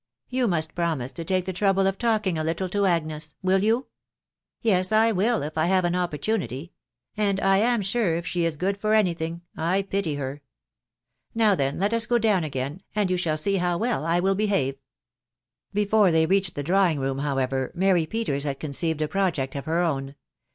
" you must promise to take the trouble of talking a little to Agnea .... V\\!L <j«iolV* " Yen, I will, if I have an opportunity •,..*• «cA \««* ISO THE WIDOW HAJKNABY. sure, if she is good for any thing, I pity her. •.. Now, then,. let us go down again, and you shall see how well { wflT behave." Before they reached the drawing room, however, Mary Peters had conceived a project of her own.